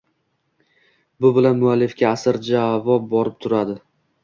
Bu bilan muallifga ajr-savob borib turadi.